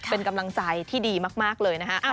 เป็นกำลังใจที่ดีมากเลยนะฮะ